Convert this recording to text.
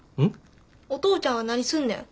お父ちゃんは何すんねん。